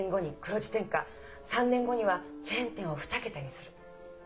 ３年後にはチェーン店を２桁にする。